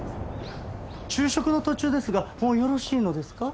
昼食の途中ですがもうよろしいのですか？